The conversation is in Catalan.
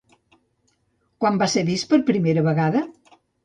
Quan va ser vist per primera vegada?